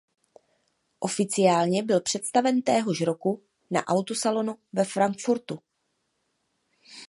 Oficiálně byl představen téhož roku na autosalonu ve Frankfurtu.